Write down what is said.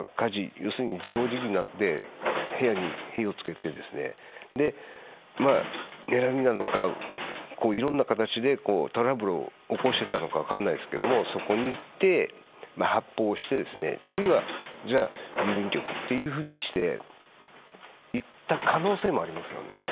要するに自暴自棄になって部屋に火を付けてそして、恨みなのかいろんな形でトラブルを起こしていたのか分からないですけどそこに行って、発砲をしてじゃあ次は郵便局というふうにして行った可能性もありますね。